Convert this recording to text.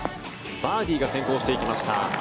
バーディーが先行していきました。